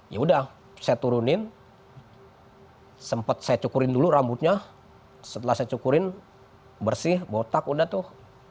ya udah saya turunin sempat saya cukurin dulu rambutnya setelah saya cukurin bersih botak udah tuh